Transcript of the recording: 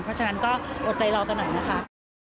เพราะฉะนั้นก็อดใจรอกันหน่อยนะคะ